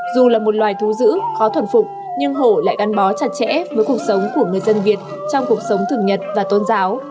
dù là một loài thú giữ khó thuần phục nhưng hổ lại gắn bó chặt chẽ với cuộc sống của người dân việt trong cuộc sống thường nhật và tôn giáo